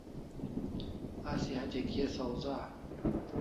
Asi hatya kia sawza